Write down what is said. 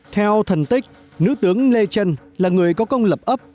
theo thần tích nữ tướng lê trân là người có công lập ấp